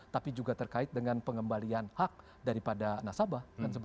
tapi juga terkait dengan pengembalian hak daripada nasabah